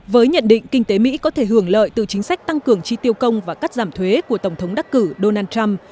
với nhận định kinh tế mỹ có thể hưởng lợi từ chính sách tăng cường chi tiêu công và cắt giảm thuế của tổng thống đắc cử donald trump